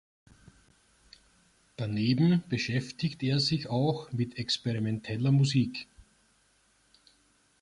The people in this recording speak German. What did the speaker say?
Daneben beschäftigt er sich auch mit experimenteller Musik.